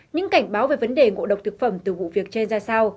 những cảnh báo về vấn đề ngộ độc thực phẩm từ vụ việc che ra sao